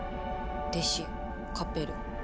弟子カペル」。